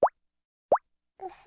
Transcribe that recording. ウフ。